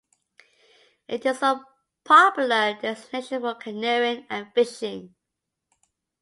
It is a popular destination for canoeing and fishing.